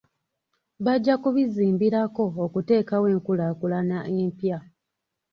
Bajja kubizimbirako okuteekawo enkulaakulana empya.